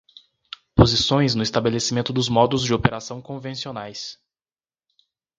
Posições no estabelecimento dos modos de operação convencionais.